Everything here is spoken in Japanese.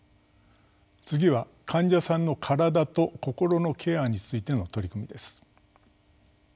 次は患者さんの身体と心のケアについての取り組みです。